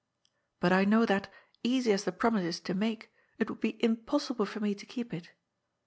But I know that, easy as the promise is to make, it would be impossible for me to keep it.